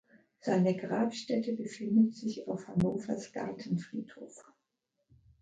Seine Grabstätte befindet sich auf Hannovers Gartenfriedhof.